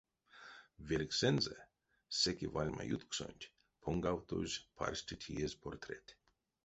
Велькссэнзэ, секе вальма ютксонть, понгавтозь парсте теезь портрет.